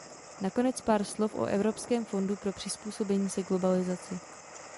Nakonec pár slov o Evropském fondu pro přizpůsobení se globalizaci.